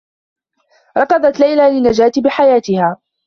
ركضت ليلى للنّجاة بحياتها.